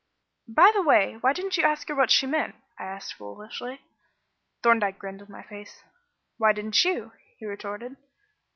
"By the way, why didn't you ask her what she meant?" I asked foolishly. Thorndyke grinned in my face. "Why didn't you?" he retorted.